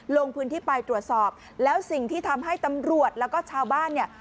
ลงพื้นที่ไปตรวจสอบแล้วสิ่งที่ทำให้ตำรวจแล้วก็ชาวบ้านเนี่ย